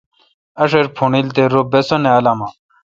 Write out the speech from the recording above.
آݭیر پݨیل تہ رو بسنت الامہ۔